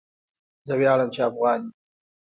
زه ویاړم چی افغان يم